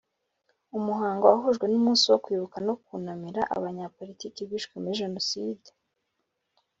Umuhango wahujwe n’umunsi wo Kwibuka no kunamira Abanyapolitiki bishwe muri Jenoside.